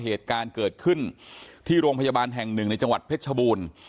เหตุการณ์เกิดขึ้นที่โรงพยาบาลแห่งหนึ่งในจังหวัดเพชรชบูรณ์